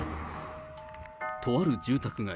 とある住宅街。